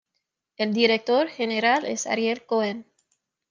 El director general es Ariel Cohen.